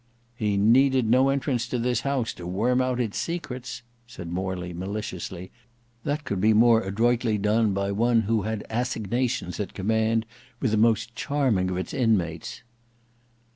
"He needed no entrance to this house to worm out its secrets," said Morley maliciously. "That could be more adroitly done by one who had assignations at command with the most charming of its inmates."